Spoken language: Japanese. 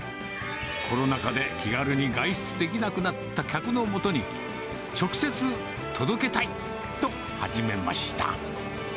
コロナ禍で気軽に外出できなくなった客のもとに、直接、届けたい、と始めました。